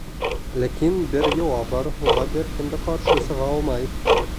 Ләкин бер йола бар, уға бер кем дә ҡаршы сыға алмай.